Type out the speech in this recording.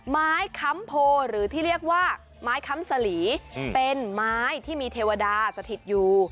ค้ำโพหรือที่เรียกว่าไม้ค้ำสลีเป็นไม้ที่มีเทวดาสถิตอยู่